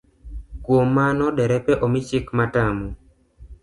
Kuom mano derepe omi chik matamo